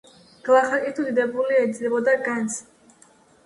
გლახაკი თუ დიდებული ეზიდებოდა განძს,.